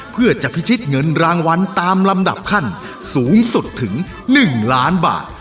เพื่อจะพิชิตเงินรางวัลตามลำดับขั้นสูงสุดถึง๑ล้านบาท